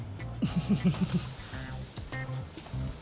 フフフフ。